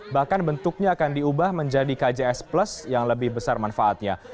bahkan bentuknya akan diubah menjadi kjs plus yang lebih besar manfaatnya